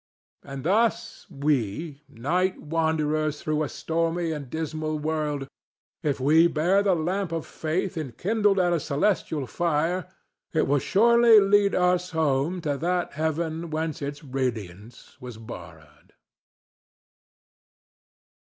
And thus we, night wanderers through a stormy and dismal world, if we bear the lamp of Faith enkindled at a celestial fire, it will surely lead us home to that heaven whence its radiance was borrowed.